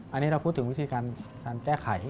อันนี้เราพูดถึงวิธีการแก้ไข